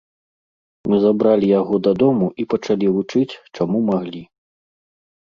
Мы забралі яго дадому і пачалі вучыць, чаму маглі.